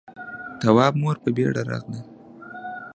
تواب مور په بيړه راغله.